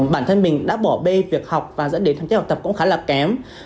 bản thân mình đã bỏ bê việc học và dẫn đến thắng chế học tập cũng khá là kém